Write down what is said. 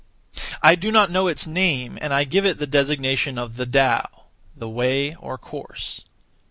I do not know its name, and I give it the designation of the Tao (the Way or Course).